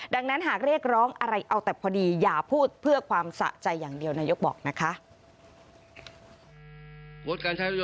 ดังนั้นหากเรียกร้องอะไรเอาแต่พอดีอย่าพูดเพื่อความสะใจอย่างเดียวนายกบอกนะคะ